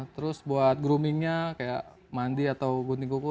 terus buat grooming nya kayak mandi atau gunting kuku